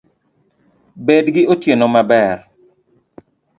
Bed gi otieno maber